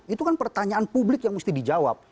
itu kan pertanyaan publik yang mesti dijawab